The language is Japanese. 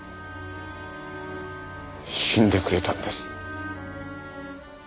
死んでくれたんです。